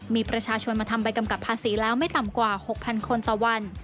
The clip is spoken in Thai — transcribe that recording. มีประชาชนมาทำใบกำกับภาษีแล้วไม่ต่ำกว่า๖๐๐คนต่อวัน